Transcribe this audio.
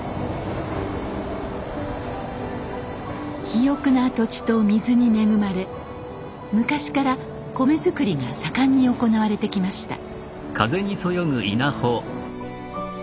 肥沃な土地と水に恵まれ昔から米作りが盛んに行われてきました。